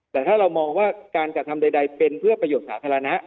แต่ถ้าเรามองว่าการกระทำใดเป็นเพื่อประโยชน์สาธารณะ